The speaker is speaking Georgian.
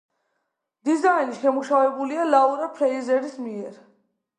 დიზაინი შემუშავებულია ლაურა ფრეიზერის მიერ.